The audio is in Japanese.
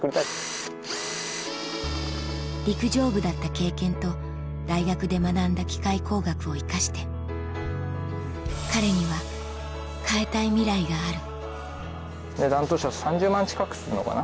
陸上部だった経験と大学で学んだ機械工学を生かして彼には変えたいミライがある値段としては３０万近くするのかな。